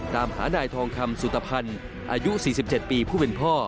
ตามหานายทองคำสุตภัณฑ์อายุ๔๗ปีผู้เป็นพ่อ